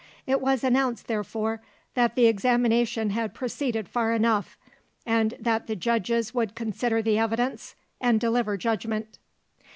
It was announced, therefore, that the examination had proceeded far enough, and that the judges would consider the evidence and deliver judgment.